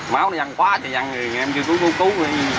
máu nó dằn quá dằn người em chưa cứu cứu người